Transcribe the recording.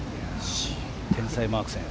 天才、マークセン。